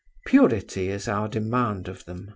Purity is our demand of them.